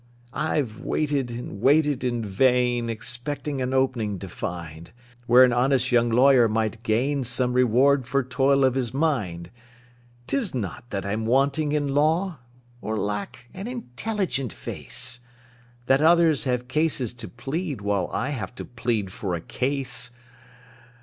"I've waited and waited in vain, Expecting an 'opening' to find, Where an honest young lawyer might gain Some reward for toil of his mind. "'Tis not that I'm wanting in law, Or lack an intelligent face, That others have cases to plead, While I have to plead for a case.